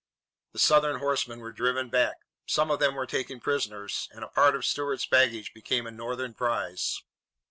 The Southern horsemen were driven back. Some of them were taken prisoners and a part of Stuart's baggage became a Northern prize.